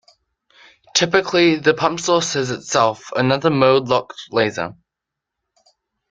Typically, the pump source is itself another mode-locked laser.